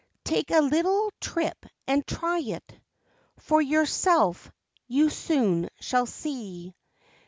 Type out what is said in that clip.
Take a little trip and try it For yourself, you soon shall see.